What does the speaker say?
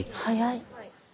早い。